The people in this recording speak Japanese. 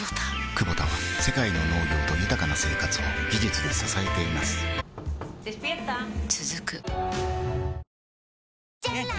クボタは世界の農業と豊かな生活を技術で支えています起きて。